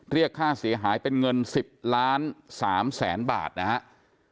เรียกค่าเสียหายเป็นเงิน๑๐ล้าน๓แสนบาทนะครับ